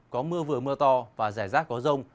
có mưa vừa mưa to và rải rác có rông